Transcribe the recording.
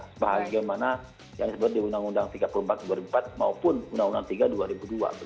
sebagaimana yang disebut di undang undang tiga puluh empat dua ribu empat maupun undang undang tiga dua ribu dua